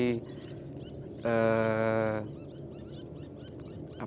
tidak hanya menikmati